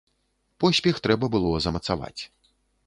Поспех трэба было замацаваць.